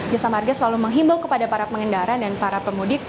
jasa marga selalu menghimbau